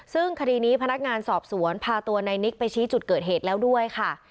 ซึ่งคดีนี้พนักงานสอบสวนพาตัวในนิกไปชี้จุดเกิดเหตุแล้วด้วยค่ะ